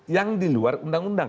yang diluar undang undang